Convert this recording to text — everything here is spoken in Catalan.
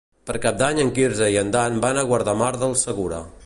Per Cap d'Any en Quirze i en Dan van a Guardamar del Segura.